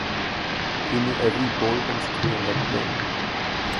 He knew every bolt and screw in that plane.